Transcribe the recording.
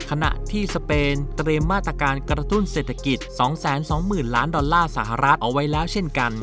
ขณะที่สเปนเตรียมมาตรการกระตุ้นเศรษฐกิจ๒๒๐๐๐ล้านดอลลาร์สหรัฐเอาไว้แล้วเช่นกัน